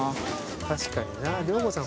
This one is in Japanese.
確かにな良子さん